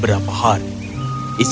pastorella aku berterima kasih